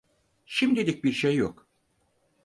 Şimdilik bir şey yok.